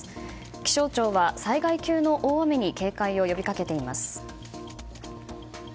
気象庁は災害級の大雨に警戒を呼びかけています。